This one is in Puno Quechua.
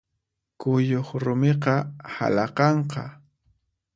Kuyuq rumiqa halaqanqa.